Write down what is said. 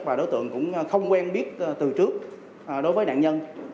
và đối tượng cũng không quen biết từ trước đối với nạn nhân